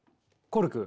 コルク？